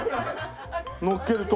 乗っけると。